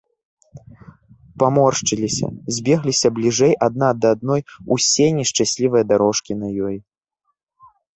Паморшчыліся, збегліся бліжэй адна да адной усе нешчаслівыя дарожкі на ёй.